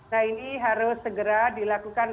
nah ini harus segera dilakukan